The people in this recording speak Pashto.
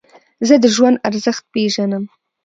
زه د ژوند ارزښت پېژنم.